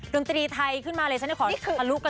ดนตรีไทยขึ้นมาเลยฉันจะขอทะลุกระตบไปได้ไหม